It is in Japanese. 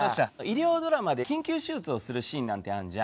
医療ドラマで緊急手術をするシーンなんてあんじゃん。